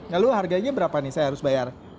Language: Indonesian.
lalu harganya berapa nih yang harus saya bayar